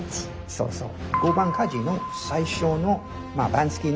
そうそう。